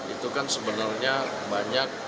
itu kan sebenarnya banyak